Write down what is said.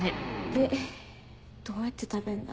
でどうやって食べんだ？